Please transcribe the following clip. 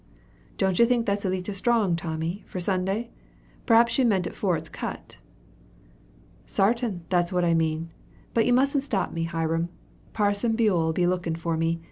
"Don't you think that's a leetle strong, Tommy, for Sunday? P'raps you mean afore it's cut?" "Sartin; that's what I mean. But you mustn't stop me, Hiram. Parson Buell 'll be lookin' for me.